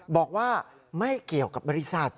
บอกว่าไม่เกี่ยวกับบริษัท